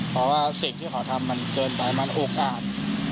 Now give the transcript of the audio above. เพราะว่าสิ่งที่เขาทำมันเกินไปมันโอกาส